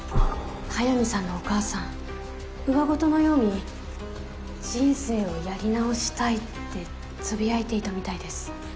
速水さんのお母さんうわ言のように「人生をやり直したい」って呟いていたみたいです。